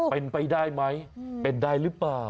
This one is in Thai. เป็นไปได้ไหมเป็นได้หรือเปล่า